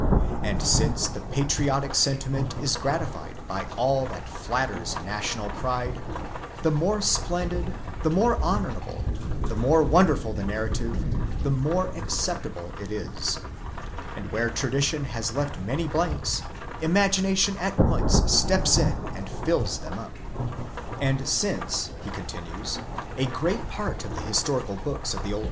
And since the patriotic sentiment is gratified by all that flatters national pride, the more splendid, the more honourable, the more wonderful the narrative, the more acceptable it is; and where tradition has left any blanks, imagination at once steps in and fills them up. And since, he continues, a great part of the historical books of the Old.